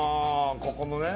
ここのね